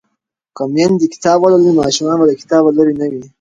که میندې کتاب ولولي نو ماشومان به له کتابه لرې نه وي.